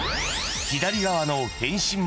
［左側の変身